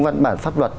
văn bản pháp luật